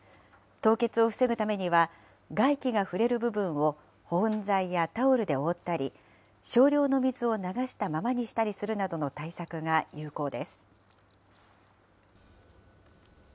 凍結を防ぐためには、外気が触れる部分を保温材やタオルで覆ったり、少量の水を流したままにしたりするなどの対策が有効です。